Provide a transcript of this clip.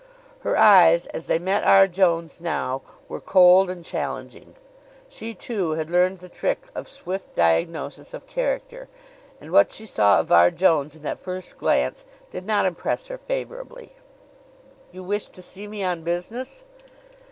Her eyes, as they met R. Jones' now, were cold and challenging. She, too, had learned the trick of swift diagnosis of character, and what she saw of R. Jones in that first glance did not impress her favorably. "You wished to see me on business?"